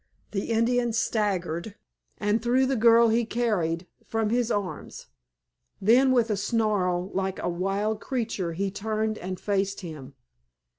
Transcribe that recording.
The Indian staggered, and threw the girl he carried from his arms. Then with a snarl like a wild creature he turned and faced him.